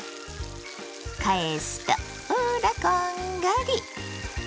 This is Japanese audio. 返すとほらこんがり！